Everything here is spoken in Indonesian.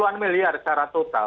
banyak miliar secara total